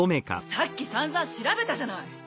さっきさんざん調べたじゃない！